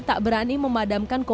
tak berani memadamkan kobor